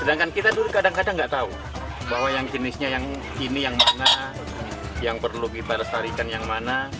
sedangkan kita dulu kadang kadang tidak tahu bahwa yang jenisnya yang ini yang mana yang perlu kita lestarikan yang mana